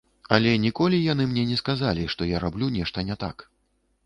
Але ніколі яны мне не сказалі, што я раблю нешта не так.